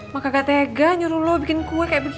mak kagak tega nyuruh lu bikin kue kayak begini